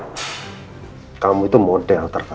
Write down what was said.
religiousading atau menggeldar bil services